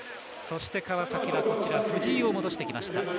川崎は藤井を戻してきました。